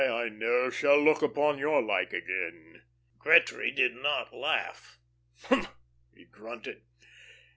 I ne'er shall look upon your like again." Gretry did not laugh. "Huh!" he grunted.